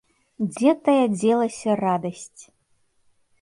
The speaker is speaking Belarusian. Дзе тая дзелася радасць!